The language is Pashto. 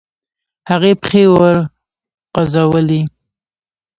هغې پښې وروغځولې.